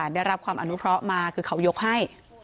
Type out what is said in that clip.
ได้รับความอนุเคราะห์มาคือเขายกให้